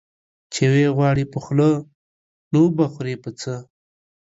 چي وې غواړې په خوله، نو وبې خورې په څه؟